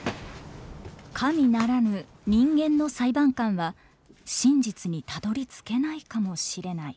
神ならぬ人間の裁判官は真実にたどりつけないかもしれない。